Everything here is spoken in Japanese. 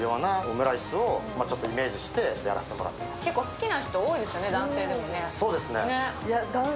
好きな人、多いですね、男性でも。